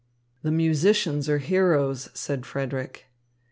"The musicians are heroes," said Frederick.